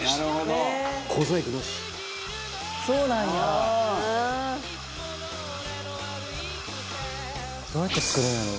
大西：どうやって作るんやろ？